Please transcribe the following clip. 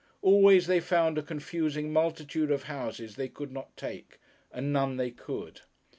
Always they found a confusing multitude of houses they could not take, and none they could.